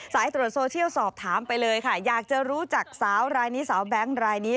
สายตรวจโซเชียลสอบถามไปเลยค่ะอยากจะรู้จักสาวรายนี้สาวแบงค์รายนี้